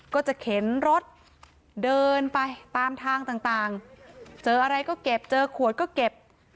ก็จะเข็นรถเดินไปตามทางต่างเจออะไรก็เก็บเจอขวดก็เก็บ